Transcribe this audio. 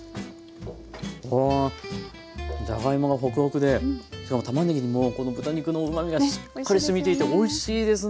わあじゃがいもがホクホクでしかもたまねぎにもうこの豚肉のうまみがしっかりしみていておいしいですね。